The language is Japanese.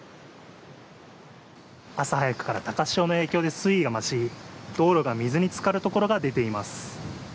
朝早くから高潮の影響で、水位が増し道路が水につかる所が出ています。